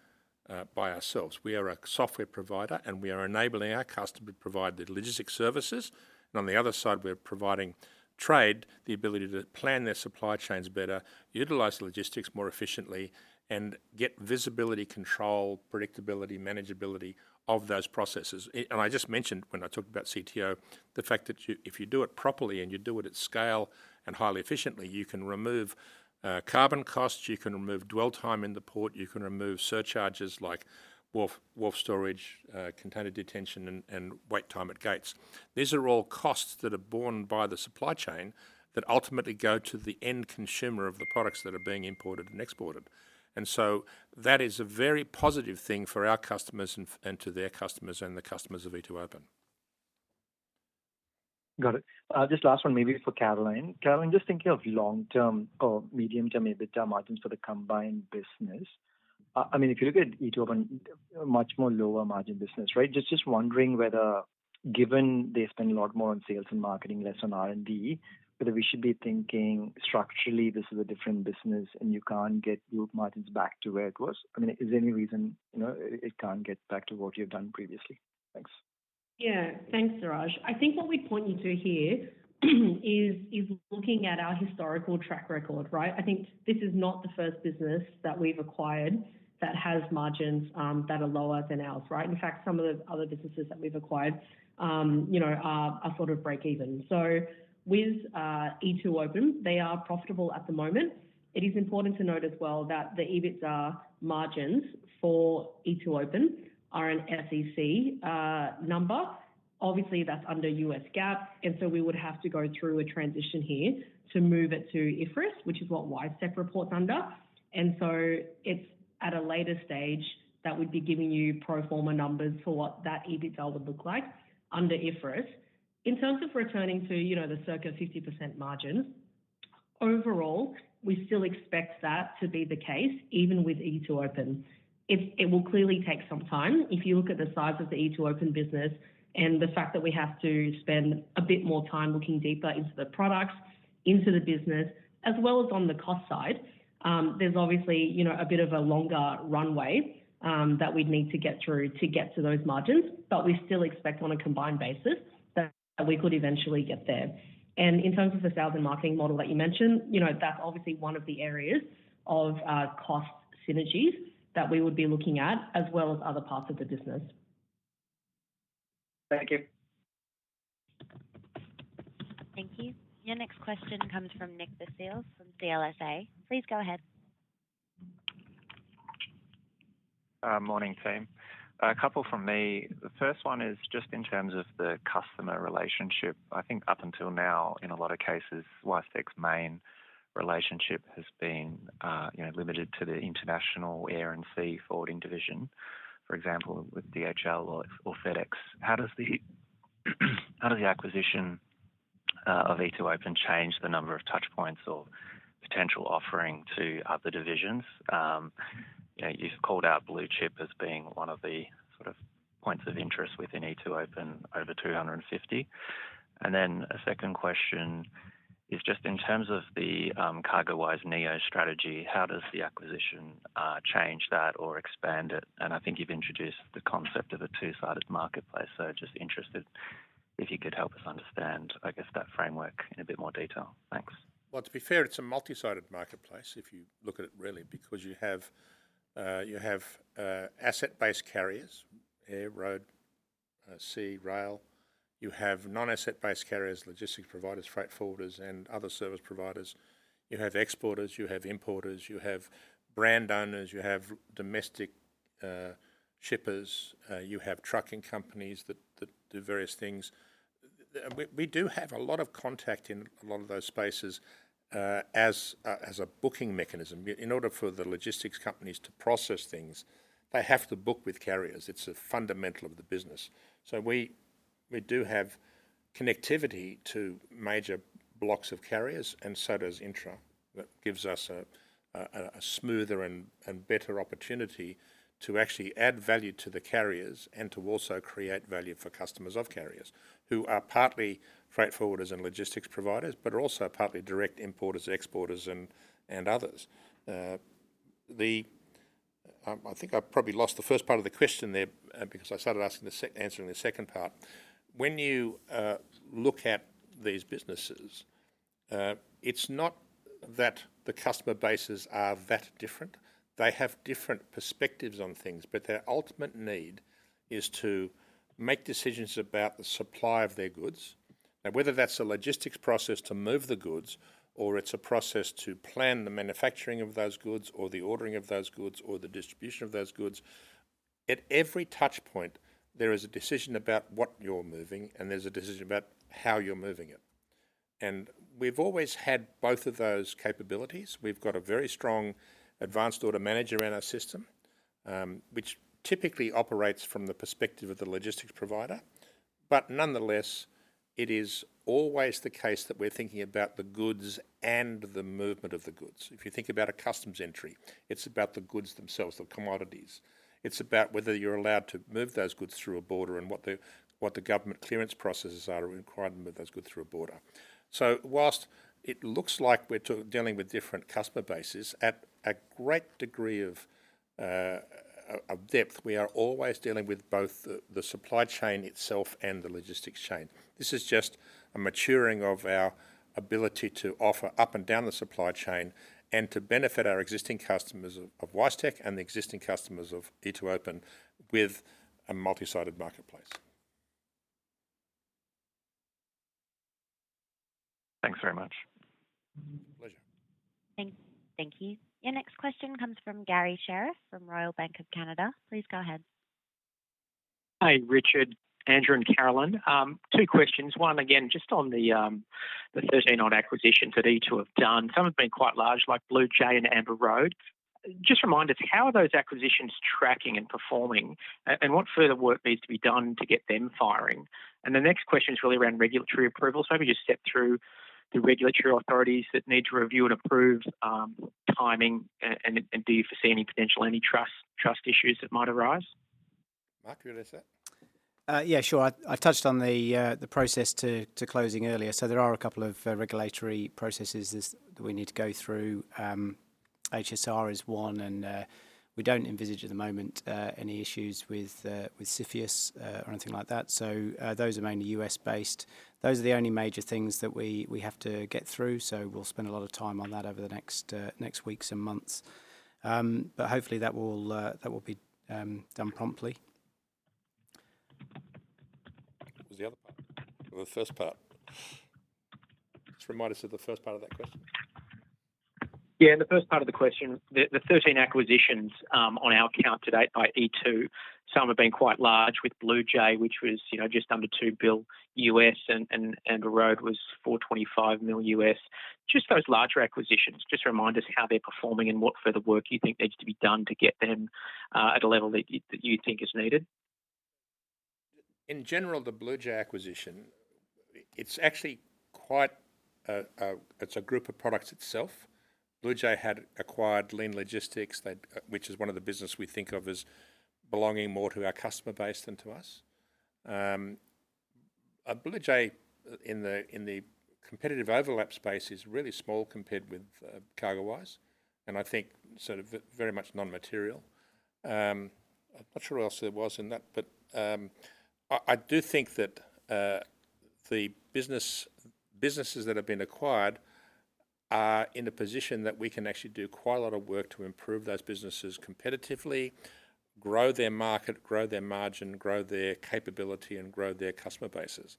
by ourselves. We are a software provider, and we are enabling our customers to provide the logistics services. On the other side, we're providing trade the ability to plan their supply chains better, utilize logistics more efficiently, and get visibility, control, predictability, manageability of those processes. I just mentioned, when I talked about CTO, the fact that if you do it properly and you do it at scale and highly efficiently, you can remove carbon costs, you can remove dwell time in the port, you can remove surcharges like wharf storage, container detention, and wait time at gates. These are all costs that are borne by the supply chain that ultimately go to the end consumer of the products that are being imported and exported. That is a very positive thing for our customers and to their customers and the customers of e2open. Got it. Just last one, maybe for Caroline. Caroline, just thinking of long-term or medium-term EBITDA margins for the combined business. I mean, if you look at e2open, much more lower margin business, right? Just wondering whether, given they spend a lot more on sales and marketing, less on R&D, whether we should be thinking, structurally, this is a different business and you can't get your margins back to where it was? I mean, is there any reason it can't get back to what you've done previously? Thanks. Yeah. Thanks, Siraj. I think what we point you to here is looking at our historical track record, right? I think this is not the first business that we've acquired that has margins that are lower than ours, right? In fact, some of the other businesses that we've acquired are sort of break-even. With e2open, they are profitable at the moment. It is important to note as well that the EBITDA margins for e2open are an SEC number. Obviously, that's under U.S. GAAP. We would have to go through a transition here to move it to IFRS, which is what WiseTech reports under. It is at a later stage that would be giving you pro forma numbers for what that EBITDA would look like under IFRS. In terms of returning to the circa 50% margins, overall, we still expect that to be the case even with e2open. It will clearly take some time. If you look at the size of the e2open business and the fact that we have to spend a bit more time looking deeper into the products, into the business, as well as on the cost side, there is obviously a bit of a longer runway that we would need to get through to get to those margins. We still expect on a combined basis that we could eventually get there. In terms of the sales and marketing model that you mentioned, that is obviously one of the areas of cost synergies that we would be looking at, as well as other parts of the business. Thank you. Thank you. Your next question comes from Nick, the sales from CLSA. Please go ahead. Morning, team. A couple from me. The first one is just in terms of the customer relationship. I think up until now, in a lot of cases, WiseTech's main relationship has been limited to the international air and sea forwarding division, for example, with DHL or FedEx. How does the acquisition of e2open change the number of touchpoints or potential offering to other divisions? You've called out BlueChip as being one of the sort of points of interest within e2open, over 250. And then a second question is just in terms of the CargoWise Neo strategy, how does the acquisition change that or expand it? I think you've introduced the concept of a two-sided marketplace. Just interested if you could help us understand, I guess, that framework in a bit more detail. Thanks. It is a multi-sided marketplace if you look at it really, because you have asset-based carriers, air, road, sea, rail. You have non-asset-based carriers, logistics providers, freight forwarders, and other service providers. You have exporters. You have importers. You have brand owners. You have domestic shippers. You have trucking companies that do various things. We do have a lot of contact in a lot of those spaces as a booking mechanism. In order for the logistics companies to process things, they have to book with carriers. It is a fundamental of the business. We do have connectivity to major blocks of carriers, and so does InTra, that gives us a smoother and better opportunity to actually add value to the carriers and to also create value for customers of carriers who are partly freight forwarders and logistics providers, but also partly direct importers, exporters, and others. I think I probably lost the first part of the question there because I started answering the second part. When you look at these businesses, it's not that the customer bases are that different. They have different perspectives on things, but their ultimate need is to make decisions about the supply of their goods. Now, whether that's a logistics process to move the goods or it's a process to plan the manufacturing of those goods or the ordering of those goods or the distribution of those goods, at every touchpoint, there is a decision about what you're moving, and there's a decision about how you're moving it. We've always had both of those capabilities. We've got a very strong advanced order manager in our system, which typically operates from the perspective of the logistics provider. Nonetheless, it is always the case that we're thinking about the goods and the movement of the goods. If you think about a customs entry, it's about the goods themselves, the commodities. It's about whether you're allowed to move those goods through a border and what the government clearance processes are required to move those goods through a border. Whilst it looks like we're dealing with different customer bases, at a great degree of depth, we are always dealing with both the supply chain itself and the logistics chain. This is just a maturing of our ability to offer up and down the supply chain and to benefit our existing customers of WiseTech and the existing customers of e2open with a multi-sided marketplace. Thanks very much. Pleasure. Thank you. Your next question comes from Gary Sherriff from Royal Bank of Canada. Please go ahead. Hi, Richard, Andrew, and Caroline. Two questions. One, again, just on the 13-odd acquisitions that e2open's done. Some have been quite large, like BluJay and Amber Road. Just remind us, how are those acquisitions tracking and performing, and what further work needs to be done to get them firing? The next question is really around regulatory approval. Have you just stepped through the regulatory authorities that need to review and approve timing, and do you foresee any potential antitrust issues that might arise? Mark, you want to say? Yeah, sure. I touched on the process to closing earlier. There are a couple of regulatory processes that we need to go through. HSR is one, and we do not envisage at the moment any issues with CFIUS or anything like that. Those are mainly U.S.-based. Those are the only major things that we have to get through. We will spend a lot of time on that over the next weeks and months. Hopefully, that will be done promptly. What was the other part? The first part. Just remind us of the first part of that question. Yeah, in the first part of the question, the 13 acquisitions on our account today by e2open, some have been quite large with BluJay, which was just under $2 billion, and Amber Road was $425 million. Just those larger acquisitions, just remind us how they're performing and what further work you think needs to be done to get them at a level that you think is needed. In general, the BluJay acquisition, it's actually quite a group of products itself. BluJay had acquired Lean Logistics, which is one of the businesses we think of as belonging more to our customer base than to us. BluJay, in the competitive overlap space, is really small compared with CargoWise, and I think sort of very much non-material. I'm not sure what else there was in that, but I do think that the businesses that have been acquired are in a position that we can actually do quite a lot of work to improve those businesses competitively, grow their market, grow their margin, grow their capability, and grow their customer bases.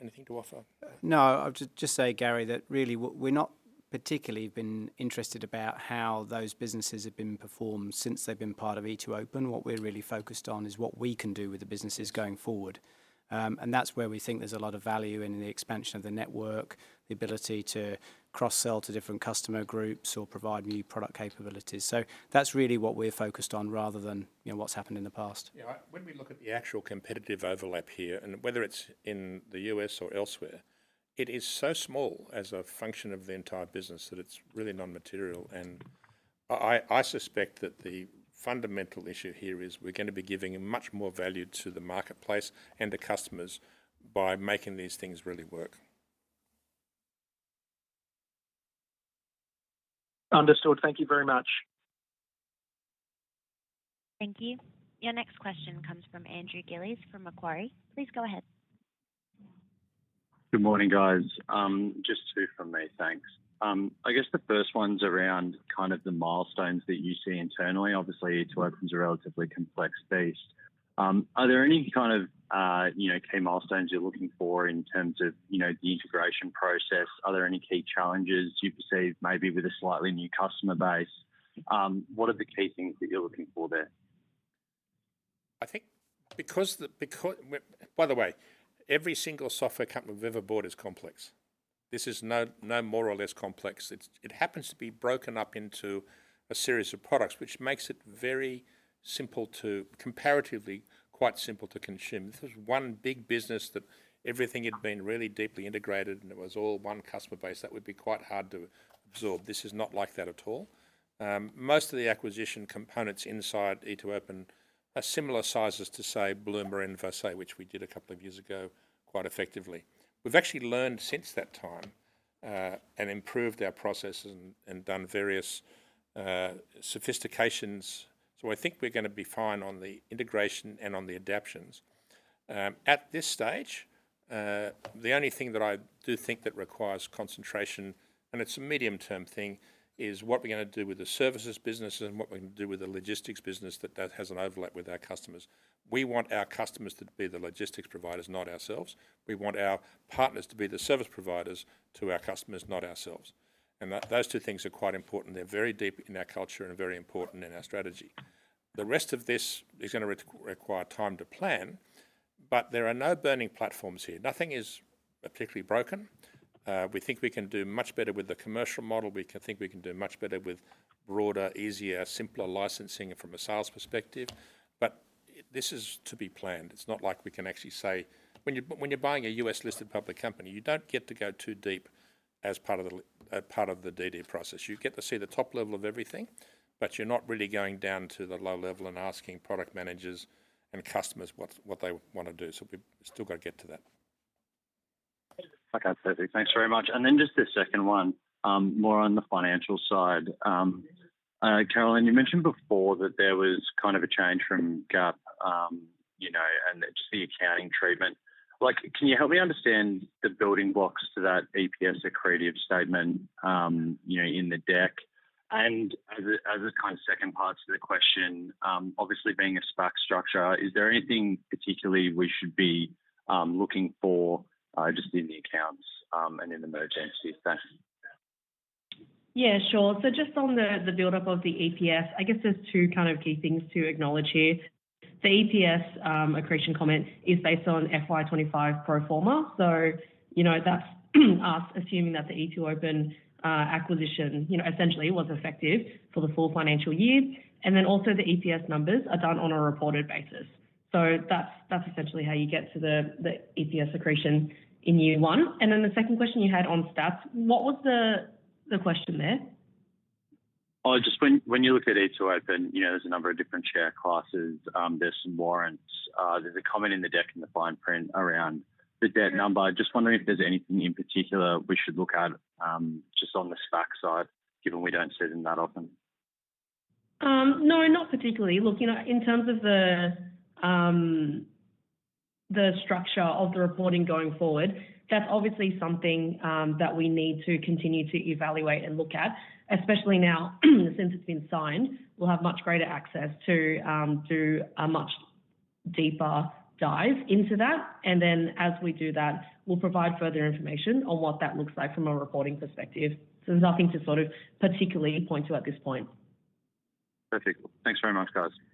Anything to offer? No, I'll just say, Gary, that really we've not particularly been interested about how those businesses have been performed since they've been part of e2open. What we're really focused on is what we can do with the businesses going forward. That's where we think there's a lot of value in the expansion of the network, the ability to cross-sell to different customer groups or provide new product capabilities. That's really what we're focused on rather than what's happened in the past. Yeah, when we look at the actual competitive overlap here, and whether it's in the U.S. or elsewhere, it is so small as a function of the entire business that it's really non-material. I suspect that the fundamental issue here is we're going to be giving much more value to the marketplace and the customers by making these things really work. Understood. Thank you very much. Thank you. Your next question comes from Andrew Gillies from Macquarie. Please go ahead. Good morning, guys. Just two from me. Thanks. I guess the first one's around kind of the milestones that you see internally. Obviously, e2open's a relatively complex beast. Are there any kind of key milestones you're looking for in terms of the integration process? Are there any key challenges you perceive maybe with a slightly new customer base? What are the key things that you're looking for there? I think because, by the way, every single software company we've ever bought is complex. This is no more or less complex. It happens to be broken up into a series of products, which makes it very simple to, comparatively, quite simple to consume. If it was one big business that everything had been really deeply integrated and it was all one customer base, that would be quite hard to absorb. This is not like that at all. Most of the acquisition components inside e2open are similar sizes to, say, Bloom or Invarsay, which we did a couple of years ago quite effectively. We've actually learned since that time and improved our processes and done various sophistications. I think we're going to be fine on the integration and on the adaptions. At this stage, the only thing that I do think that requires concentration, and it's a medium-term thing, is what we're going to do with the services business and what we're going to do with the logistics business that has an overlap with our customers. We want our customers to be the logistics providers, not ourselves. We want our partners to be the service providers to our customers, not ourselves. Those two things are quite important. They're very deep in our culture and very important in our strategy. The rest of this is going to require time to plan, but there are no burning platforms here. Nothing is particularly broken. We think we can do much better with the commercial model. We think we can do much better with broader, easier, simpler licensing from a sales perspective. This is to be planned. It's not like we can actually say when you're buying a U.S.-listed public company, you don't get to go too deep as part of the DD process. You get to see the top level of everything, but you're not really going down to the low level and asking product managers and customers what they want to do. So we've still got to get to that. Like I said, thanks very much. Then just the second one, more on the financial side. Caroline, you mentioned before that there was kind of a change from GAAP and just the accounting treatment. Can you help me understand the building blocks to that EPS accreditation statement in the deck? As a kind of second part to the question, obviously being a SPAC structure, is there anything particularly we should be looking for just in the accounts and in the merger entities? Thanks. Yeah, sure. Just on the buildup of the EPS, I guess there are two kind of key things to acknowledge here. The EPS accretion comment is based on FY2025 pro-forma. That is us assuming that the e2open acquisition essentially was effective for the full financial year. The EPS numbers are done on a reported basis. That is essentially how you get to the EPS accretion in year one. The second question you had on stats, what was the question there? Just when you look at e2open, there's a number of different share classes. There's some warrants. There's a comment in the deck in the fine print around the debt number. Just wondering if there's anything in particular we should look at just on the SPAC side, given we don't see them that often. No, not particularly. Look, in terms of the structure of the reporting going forward, that's obviously something that we need to continue to evaluate and look at, especially now since it's been signed. We'll have much greater access to do a much deeper dive into that. As we do that, we'll provide further information on what that looks like from a reporting perspective. There's nothing to sort of particularly point to at this point. Perfect. Thanks very much, guys.